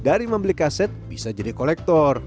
dari membeli kaset bisa jadi kolektor